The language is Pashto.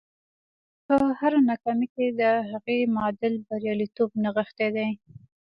په هره ناکامۍ کې د هغې معادل بریالیتوب نغښتی دی